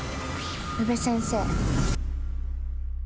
宇部先生。